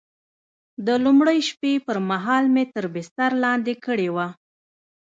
د لومړۍ شپې پر مهال مې تر بستر لاندې کړې وه.